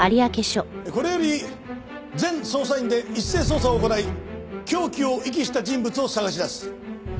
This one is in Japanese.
これより全捜査員で一斉捜査を行い凶器を遺棄した人物を捜し出す。